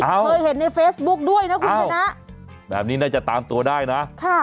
เคยเห็นในเฟซบุ๊คด้วยนะคุณชนะแบบนี้น่าจะตามตัวได้นะค่ะ